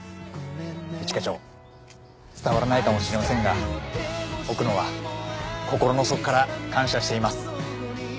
一課長伝わらないかもしれませんが奥野は心の底から感謝しています。